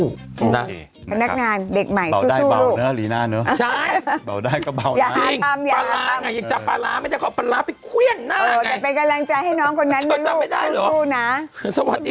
พนักงานเด็กใหม่สู้ลูกใช่ปลาร้าไงยังจับปลาร้าไม่ได้ขอปลาร้าไปเครื่องหน้าไง